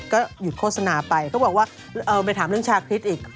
ก็หยุดโฆษณาไปเขาบอกว่าเอาไปถามเรื่องชาคริสต์อีก